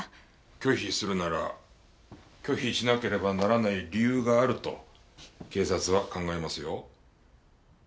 拒否するなら拒否しなければならない理由があると警察は考えますよ。